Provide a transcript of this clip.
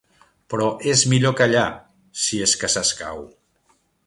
Però és millor callar, si és que s'escau.